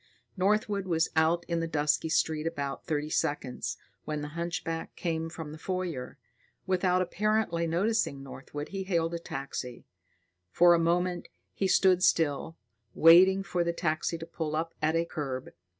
Northwood was out in the dusky street about thirty seconds, when the hunchback came from the foyer. Without apparently noticing Northwood, he hailed a taxi. For a moment, he stood still, waiting for the taxi to pull up at the curb.